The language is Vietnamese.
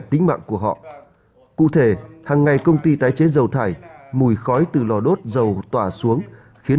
tính mạng của họ cụ thể hàng ngày công ty tái chế dầu thải mùi khói từ lò đốt dầu tỏa xuống khiến